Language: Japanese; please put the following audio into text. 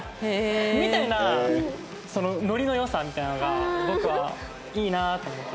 みたいなノリの良さみたいなのが僕はいいなって思ってて。